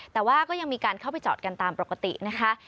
แต่ว่าก็ยังมีการเข้าไปจอดกันตามปกตินะคะ